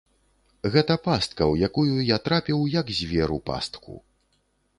Гэта пастка, у якую я трапіў, як звер у пастку.